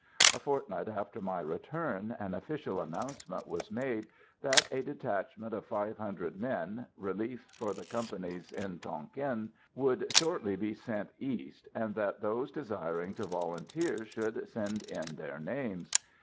A fortnight after my return an official announcement was made that a detachment of five hundred men, reliefs for the companies in Tonquin, would shortly be sent East, and that those desiring to volunteer should send in their names.